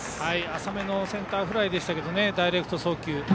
浅めのセンターフライでしたけどダイレクト送球。